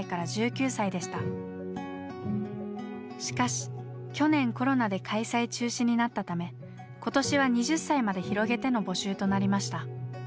しかし去年コロナで開催中止になったため今年は２０歳まで広げての募集となりました。